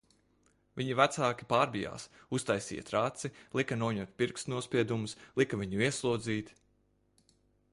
Viņa vecāki pārbijās, uztaisīja traci, lika noņemt pirkstu nospiedumus, lika viņu ieslodzīt...